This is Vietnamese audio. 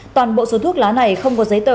toàn bộ số thuốc lá này không có giấy tờ